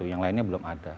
yang lainnya belum ada